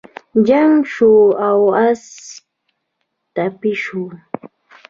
جنګ شو او اس ټپي شو.